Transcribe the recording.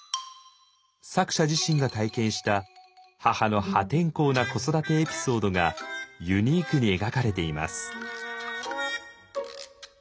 作者自身が体験した母の破天荒な子育てエピソードがユニークに描かれています。